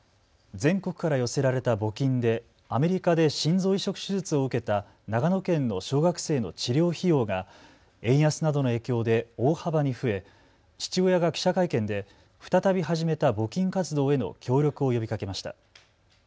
全国から寄せられた募金でアメリカで心臓移植手術を受けた長野県の小学生の治療費用が円安などの影響で大幅に増え父親が記者会見で再び始めた募金活動への協力を呼びかけました。